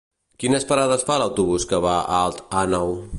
Quines parades fa l'autobús que va a Alt Àneu?